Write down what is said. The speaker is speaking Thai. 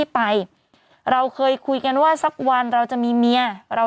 เพราะว่าไม่มีที่ไป